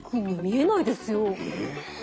え？